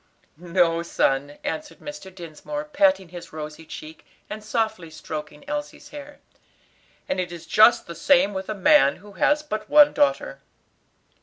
"No, son," answered Mr. Dinsmore, patting his rosy cheek, and softly stroking Elsie's hair, "and it is just the same with a man who has but one daughter."